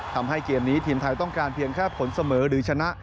ทำให้เกมนี้ทีมไทยต้องการเพียงแค่ผลเสมอหรือชนะ